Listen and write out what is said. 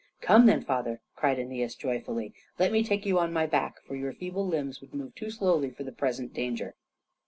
"Come then, father!" cried Æneas joyfully. "Let me take you on my back, for your feeble limbs would move too slowly for the present danger.